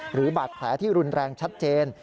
หรือบาดแผลที่รุนแรงชัดเจน